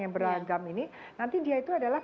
yang beragam ini nanti dia itu adalah